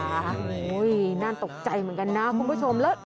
โห้ยน่าตกใจเหมือนกันนะคุณผู้ชม